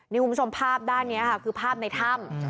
ในคุมสมภาพอีกด้านนี้คือภาพในถ้ำ